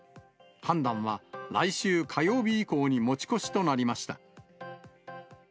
判断は来週火曜日以降に持ち越しとなりました。